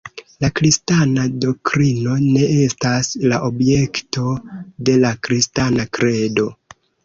La kristana doktrino ne estas la objekto de la kristana kredo.